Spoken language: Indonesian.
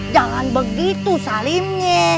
jangan begitu salimnya